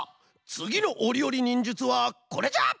つぎのオリオリにんじゅつはこれじゃ！